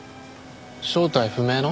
正体不明の？